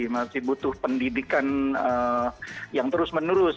masih butuh pendidikan yang terus menerus